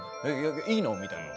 いいの？みたいな。